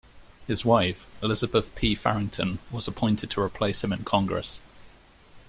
His wife, Elizabeth P. Farrington, was appointed to replace him in Congress.